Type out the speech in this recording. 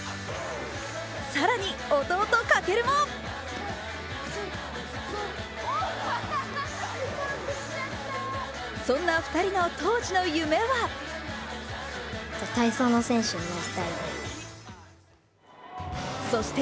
更に弟・翔もそんな２人の当時の夢はそして